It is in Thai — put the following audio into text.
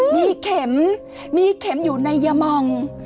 มีเข็มมีเข็มอยู่ในยามอง